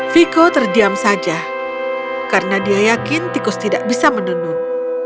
viko terdiam saja karena dia yakin tikus tidak bisa menenun